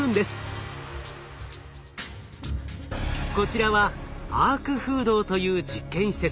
こちらはアーク風洞という実験施設。